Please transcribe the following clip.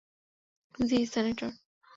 জি, senator.